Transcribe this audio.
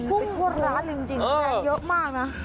พุ่งบนร้านเลยจริงแพงเยอะมากนะ